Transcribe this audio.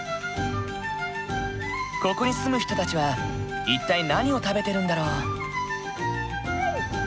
ここに住む人たちは一体何を食べてるんだろう？